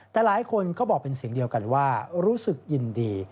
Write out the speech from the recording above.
แต่หลายคนก็บอกเป็นเสียงเดียวกันว่ารู้สึกยินดี